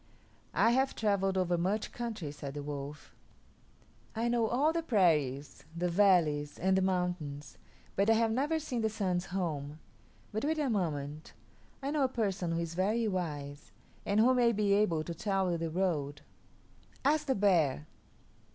"I have travelled over much country," said the wolf; "I know all the prairies, the valleys, and the mountains; but I have never seen the Sun's home. But wait a moment. I know a person who is very wise, and who may be able to tell you the road. Ask the bear."